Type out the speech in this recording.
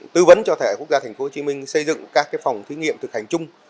tư vấn cho đại học quốc gia tp hcm xây dựng các phòng thí nghiệm thực hành chung